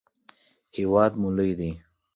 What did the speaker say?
هیواد مو لوی ده.